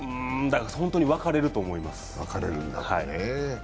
本当に分かれると思います。